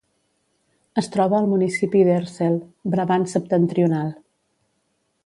Es troba al municipi d'Eersel, Brabant Septentrional.